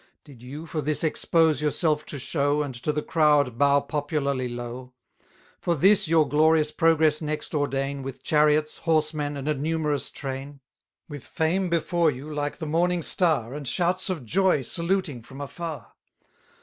Did you for this expose yourself to show, 190 And to the crowd bow popularly low? For this your glorious progress next ordain, With chariots, horsemen, and a numerous train? With fame before you, like the morning star, And shouts of joy saluting from afar?